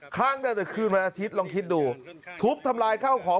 คลั่งตั้งแต่คืนวันอาทิตย์ลองคิดดูทุบทำลายข้าวของ